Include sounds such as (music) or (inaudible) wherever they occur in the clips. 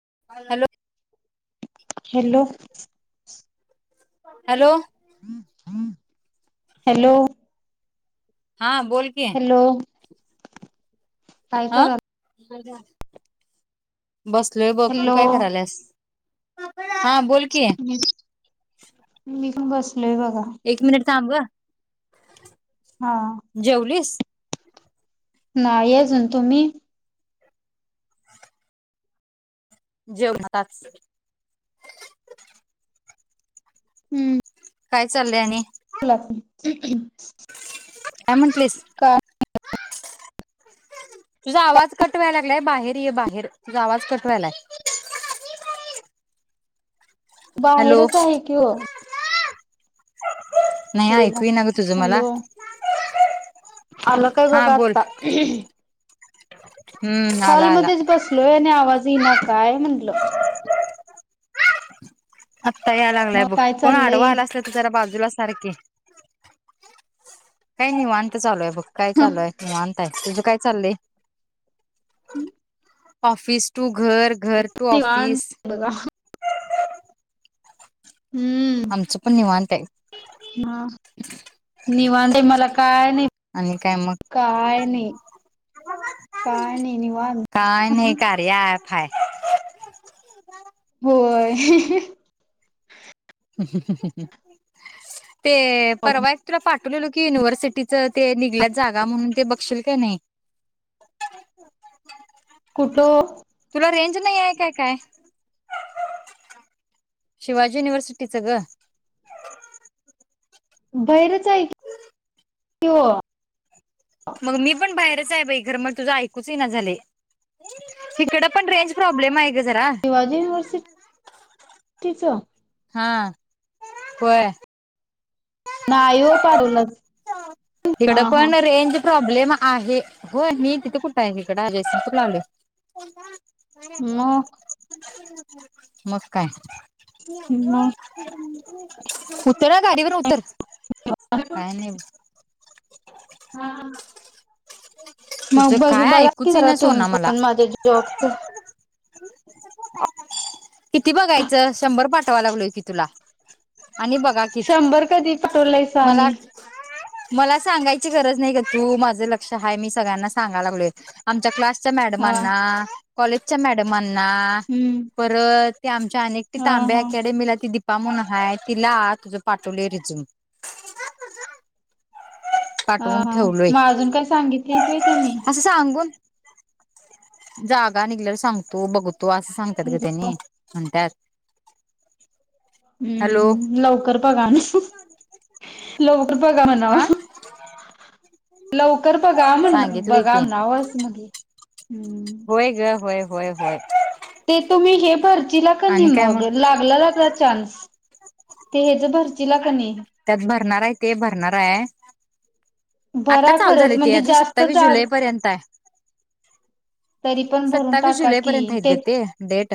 (inaudible) Hello. Hello. Hello. हा बोल कि हॅलो काय कराल? बसलोय बघ तू हॅलो काय कराल्यास? म मी पण बसलोय बघा. एक मिनिट थांब गं. हा जेवलीस? नाही अजून, तुम्ही? जेवणातात. हम्म. काय चाललंय आणि? (inaudible) काय म्हटलीस? काय (inaudible) तुझा आवाज कटवायला लागलाय. बाहेर ये बाहेर तुझा आवाज कटवायलाय. (inaudible) हॅलो बाहेरच आहे कि ओ. नाही बसलेलो ऐकू ये ना गं तुझं मला. अलं काय बग हा बोल आत्ता? हम्म आला आला हॉलमध्येच बसलोय आणि आवाज येना काय म्हटलं? आत्ता याय लागलाय मग बघ. काय कोण चाललंय आडवा आला असला त जरा बाजूला सारकि. काही नीवांत चालू आहे बघ, काय चालू हाय निवांत. तुझं काय चाललंय? (inaudible) ऑफिस टू घर घर टू ऑफिस. निवांत बघा हम्म आमचं पण निवांत हे. निवांते मला काय नाही, आणि काय मग काय नाही. काणी नि वान. काय नाही कार्या ऍप हाय होय हह.. ते परवा एक तुला फाट. आपलेलो की युनिव्हर्सिटीच ते निघल्यात जागा म्हणून ते बघशील का नाही. (inaudible) दो.. तुला रेंज नाही आहे का काय. शिवाजी युनिव्हर्सिटीचं ग. भैरच आहे. कि हो मग मी पण बाहेरच. च बाई र मग तुझा ऐकुच ययना झालय, ईकड पण रेंज प्रॉब्लेम आहे. ग जरा शिवाजी युनिव्हर्सि टीच. हा होय. नाही हो पाडवलाच. इवडेपणार रेंज प्रॉब्लेम आहे हो मी तिथे कुठे आहे इकड अजय स तू लावले मग मस् काय मग उतर ना गाडीवरून उतर काही नाही हा ह (inaudible) मग बघ काय ऐकूच बघारा येईना तुम्ही सोना मला पण माझ्या जॉबच किती बघायचं शंभर पाठवा लागलोय की तुला आणि बघा किच शंभर कधी पाठवलायसा मला आणि मला सांगायची गरज नाही का तू माझं लक्ष आहे मी सगळ्यांना सांगाय लागलोय आमच्या क्लास च्या हा मॅडमांना कॉलेजच्या मॅडमांना हम्म परत ते आमच्या अनेक हा तांब्या हा. आखेडे मिला त पप्पा म्हण हाय तिला तुझ पाठवले रिजूून अ मग अजून काय सांगितले तय त्यांनी असं सांगून जागा निघल्यावर सांगतो बघतो असं सांगतात ग त्यांनी म्हणतात हॅलो हम्म लवकर बघा ना लोक कृपाा का म्हणावा अ लवकर बघा म्हण सांगितलंय बघा की नावस मग् होय ग होय होय होय ते तुम्ही हे भरच आणि काय मग लागला लाग चान्स भर क त्यात भरणार आहे ते भरणार आहे आता भरा चालू खरंच झाली ती म्हणजे अजून जास्त सत्तावीस जाग जुलै पर्यंत आहे तरी पण भरून सत्तावीस टाका जुलै की पर्यंत आहेत ग ते डेट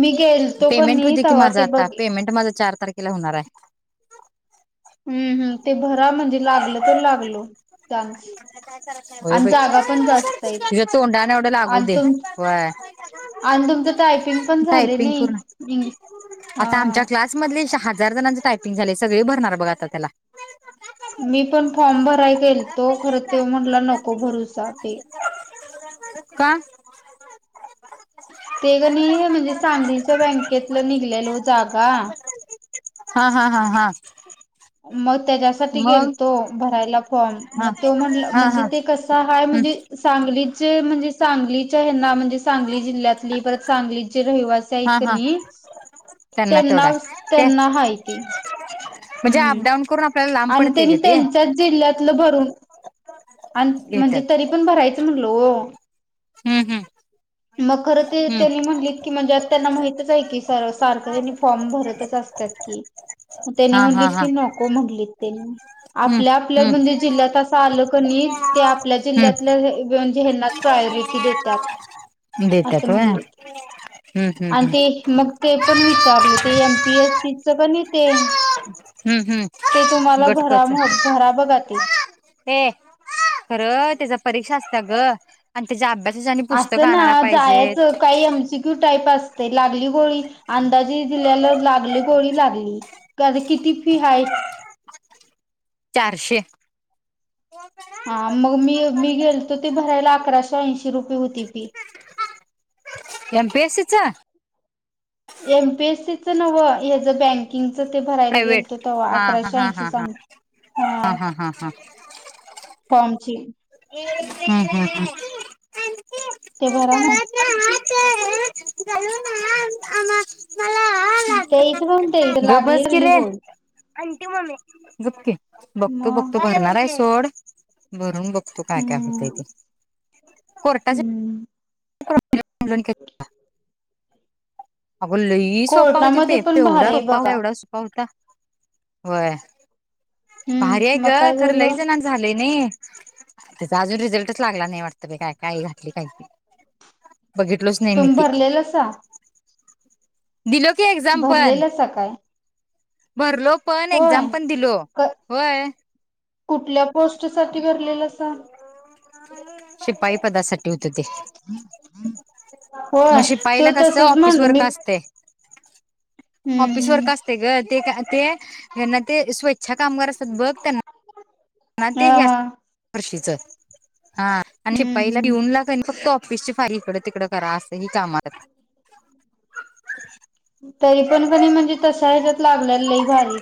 मी गेलतो पेमेंट कणी होते की तवा माझं ते बघ आता पेमेंट माझ चार तारखेला होणार आहे हम्म हम्म ते भरा म्हणजे लागलं तर लागलो डान्स होयई तज तोंडण एवढं लागू आणि दे तुम होय आणि तुमचं टायपिंग पण झाले टयपिंग नाही पूर्ण इंग्लिश हा आता आमच्या क्लास मध हजार जणांचे टयपंग झाले सगळे भरणार बघा आता त्याला मी पण फॉर्म भराय गेल तो खर ते म्हणला नको भरूचा ते (unintelligible) का? ते कणी म्हणजे सांगलीच्या बँकेतलं निघलेल हो जागा हा -हा- हा- हा (inaudible) मग त्याच्यासाठी मग गेलतो भरायला फाॅम-म हा त्यो म्हंटला हा म्हणजे हा ते कसं आहे हम्म, म्हणजे सा सांगली म्हणजे सांगली च्या हेंना म्हणजे सांगली जिल्ह्यातली परत सांगलीत जे रहिवासी आहेत हा हा कणी तेवढा त्यांना आहे. ते -त्यांना हायती म्हणजे (inaudible) अबडाऊन करून आपल्याला लांब आणि पडते त्यांनी ग ते त्यांच्याच जिल्ह्यातलं भरून आणि घेतात म्हणजे तरी पण भरायचं म्हटल हो हम्म हम्म मग खर ते हम्म त्यांनी म्हणली की म्हणजे आता त्यांना माहित तच हाय की स -सारखं त्यांनी फॉर्म भरतच असत्यात की त्यांनी हा हा म्हटलीत हा की नको म्हणलीत त्यांनी हम्म आपल्या- आपल्या हम्म म्हणजे जिल्ह्यात असं आलं कणी ते आपल्या हम्म जिल्ह्यातल हेंनाच प्रायोरिटी देत्यात‌ देतात असं होय म्हणलेत हम्म हम्म आणि हम्म ते मग ते पण विचारल ते एमपीएससीच कणी ते हम्म ते -हम्म (inaudible) तुम्हाला गट भरा कच भरा बघा ते य (inaudible) (inaudible) खर त्याच्या परीक्षा असत ग आणि त्याच्या अभ्यास असना जायचं काय एमसीक्यू च टाईप असतय लागली गोळी अंदाजे दिल्याला लागली गोळी -लागली किती फी हाय (inaudible) चारशे हा मग मी -मी गेलतो ते भरायला अकराशे ऐंशी रुपये होती फी (inaudible) एमपीएसीच एमपीएससीच नवं हेच बँकिंगच च ते भरायला प्रायव्हेट गेलतो तव्हा अकराशे ऐंशी सांग हा-हा- हा- हा (inaudible) फॉमची (inaudible) हम्म हम्म ते बराय ना.. तेच म्हणतीये इथ ग लागली बस की हली रे बोली (inaudible) बघतो- बघतो मग भरणार आहे, सोड भरून बघो तू काय -काय होतय हम्म ते कोर्टा हम्म (unintelligible) अग लई सोपा होती कोर्टामध्ये दिपे पण भारी -प-एवढा आहे सोपा होता- बघा एवढा सोपा होता, होय, भारी आहे हम्म ग मग काय खरं झालं लयजणांच झालंय नय त्याचा अजून रिझल्टच लागला नाही वाटतं ब काय काही घातली काही (unintelligible) बघितलोच नाही मी तुम्ही ते भरलेलासा दिलो की एक्झामपण भरलेलासा काय भरलो पण एक्झाम होय पण दिलो? क होय.. कुठल्या पोस्ट साठी भरलेलासा? शिपाई पदासाठी होत ते (inaudible) होय मग तो शिपाईला कसकाय तसच ऑफिस म्हणल मी वर्क असतय. (inaudible) हम्म ऑफिस हम्म वर्क असतय (inaudible) ग- ते का -तेना ते स्वेच्छा कामगार असतात बघ त्यांना यांना -ते हा या हा -ह्यावर्षीच (inaudible) हा आणि हम्म -शिपाईला- हम्म पिऊन लाग फक्त ऑफिशची फार इकड- तिकडं करा असं ही काम अस तरी पण कणी म्हणजे तशा ह्याच्यात लागलेल लय भारी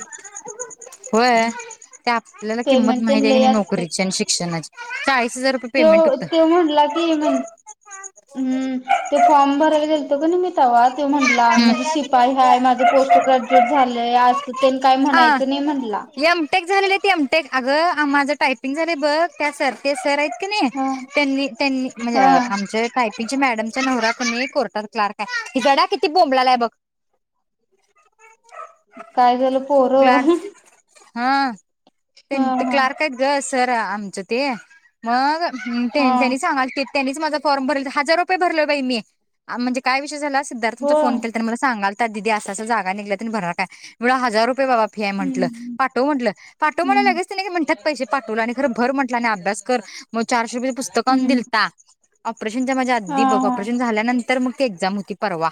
होय (inaudible) ते आपल्याला किंमत पेमेंट तेन माहिती आहे की लई नाही असतय. नोकरीची आणि शिक्षणाची चाळी त्यो- त्यो म्हटला की म्ह हम्म तो फॉर्म भरायला गेलतो कणी मी तव्हा तो म्हटला हम्म. म्हणजे शिपाही हाय माझ पोस्ट ग्रॅज्युएट झा काय आ म्हणायच नाही म्हट एमटेक झालेले ते एमटेक अगं माझं टायपिंग झालंय बघ त्या सर ते सर आहेत नाही हा त्यांनी त्यां म्हणज हा आमच का तिजे मॅडमच्या नहरा कोून कोर्टात क्लार्क आहे तिझडा किती बोंबलाला आहे बघ (inaudible) काय झालं पोरं क्लार्क हा प हा ते हा क्लार्क आहेत ग सर आमचं ते मग नी हा त्यांनी सांगाल त्यांनीच माझा फॉर्म भरला हजार रुपये भरले मी म्हणजे काय विषय झाला सिद्धार्थुचा होय फोन के मला सांाल तर ददी अस जागा निघल्यात आणि भरणार कायण हजार रुपये बाबा म्हटलं हम्म पाठव म्हट पाठव म्हणायला हम्म लगेच नाही त्यात पैसे पाठवले आणि खर भर म्हटलं ना अभ्यास कर मग चारशे रुपयाे पुस्तक आण हम्म दिलता ऑपरेशनच्या माझ हा बघ हा ऑपरेशन झाल्यानंतर मग त एक्झाम होती परवा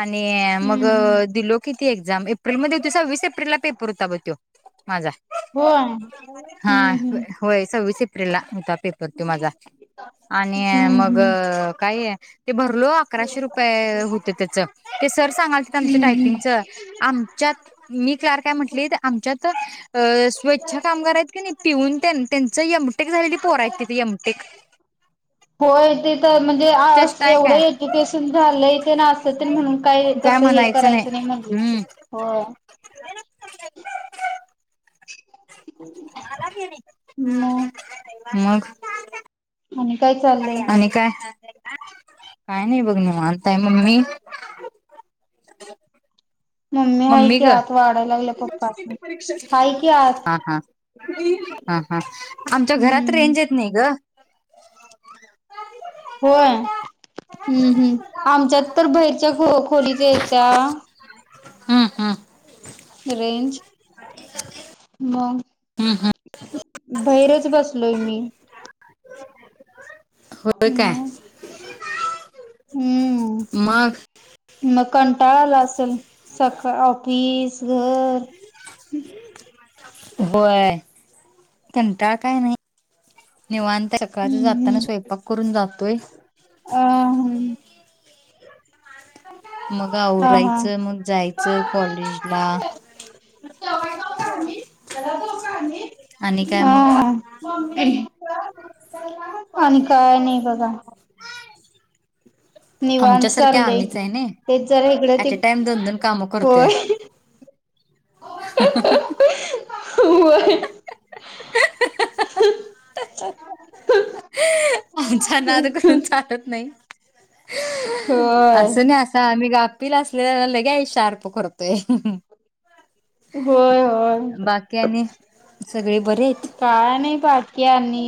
आणि मग हम्म हम्म दिलो की ती एक्झाम एप्रिलमध्येध्ये होती सव्वीस एप्रिलला पेपर होता बघ तो माझा होय हम्म हा हम्म होय स विष एप्रिल लाच पेपर होता माझा आणि हम्म मग हम्म काय आहे ते भरलो अकराशे रुपये होत त्याचं ते सर सांगाल ते आमच्या हम्म हम्म टायपिंगच आम त मी क्ल काय म्हटले आमच्यात स्वच्छ कामगार आहेत की पिऊन त्यांचं (unintelligible) यमटेक झालेली पोराय तिथ यमटेक होय ते म्हणजे अस चेष्टा आहे एवढं काय एज्युकेशन झालंय ते अस ते म्हणून काय तस हे करायचं नाही हो मग मग आणि काय चाललंय आणि काय काय नाही बघ निवांत आय मम्मी हाय मम्मी की ग आत वाढायला लागल्या पप्पासनी. हाय की आत हा हा हा हा आमच्या घरात हम्म रेंज येत नाही ग होय हम्म हम्म. आमच्यात तर बाहेरच्या खो खोलीत येत्या हां हां (unintelligible) रेंज मग हम्म हम्म बैरच बसलोय मी होय काय हम् हम्म मग मकन ल (unintelligible) असेल सकाळ ऑफिस घर होय कंटाळ काय नाही निवांत सकाळचा हम्म जाताना हम्म. स्वयंपाक करून जातोय अ हम (unintelligible) मग हा हा आवरायचं मग जायचं कॉलेजला यो का आम्ही (inaudible) आणि काय मग आ आणि काय नही बघा निवाण आमच्यासारख्या चालंय आम्हीच आहे ना तेच जरा इकडं ते ऍट अ टाइम दोन होय (inaudible) ह ह होय (unintelligible) आमचा नाद करून चालत नाही होय असं नाही असा आम्ही ग कपिला असलेल्या लगे शार्प करतोय होय बाकी होय आणि सगळे बरे (unintelligible) आहेत. काय नाही बाकी आणि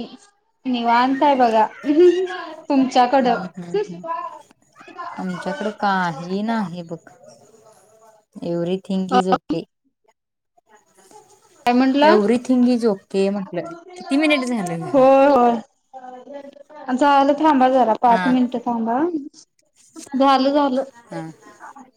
निवांतय बघा तुमच्याकडं हम्म हम्म हम्म आमच्याकडे काही एव्हरिथींग इज ओके काय म्हंटला एव्हरीथिंग इज ओके म्हटलं किती मिनिट झालं ग? होय होय आमला (unintelligible) थांबा झाला हा पाच मिनट थांबा झालं हा झालं